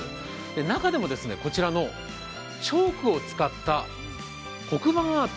中でもこちらのチョークを使った黒板アート